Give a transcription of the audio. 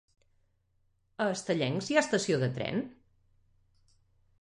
A Estellencs hi ha estació de tren?